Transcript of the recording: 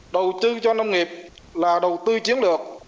đầu tư cho nông nghiệp là đầu tư chiến lược